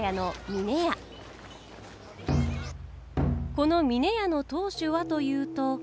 この峰屋の当主はというと。